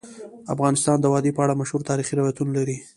افغانستان د وادي په اړه مشهور تاریخی روایتونه لري.